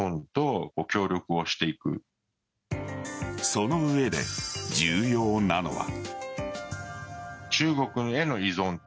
その上で重要なのは。